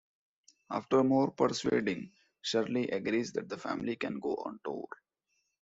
After more persuading, Shirley agrees that the family can go on tour.